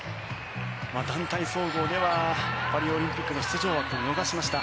団体総合ではパリオリンピックの出場枠を逃しました。